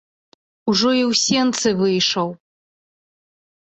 Ужо і ў сенцы выйшаў.